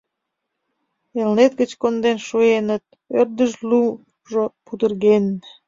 Элнет гыч конден шуэныт... ӧрдыжлужо пудырген...